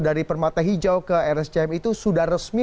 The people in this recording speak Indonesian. dari permata hijau ke rscm itu sudah resmi